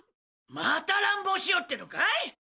また乱暴しようってのかい？